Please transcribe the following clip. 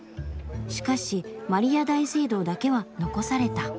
しかしマリア大聖堂だけは残された」。